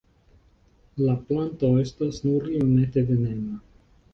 La planto estas nur iomete venena.